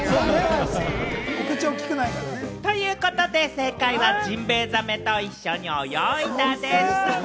正解はジンベイザメと一緒に泳いだでした。